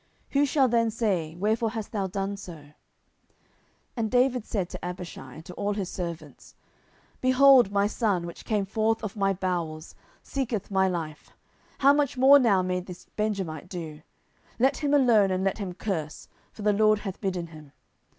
Who shall then say, Wherefore hast thou done so? 10:016:011 And David said to Abishai, and to all his servants, Behold, my son, which came forth of my bowels, seeketh my life: how much more now may this Benjamite do it? let him alone, and let him curse; for the LORD hath bidden him.